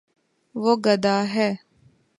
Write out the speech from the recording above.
وہ گد ہ ہے